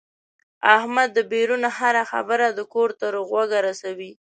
احمد دبیرون هره خبره د کور تر غوږه رسوي.